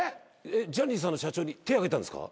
ジャニーズさんの社長に手挙げたんですか？